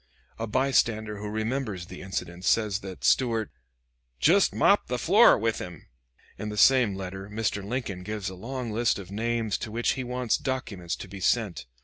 A bystander who remembers the incident says that Stuart "jest mopped the floor with him." In the same letter Mr. Lincoln gives a long list of names to which he wants documents to be sent.